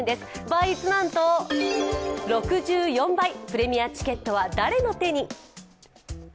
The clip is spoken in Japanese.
倍率なんと６４倍、プレミアチケットは誰の手に。